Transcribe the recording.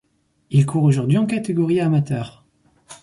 Il court aujourd'hui en catégorie amateur.